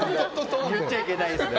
言っちゃいけないですね。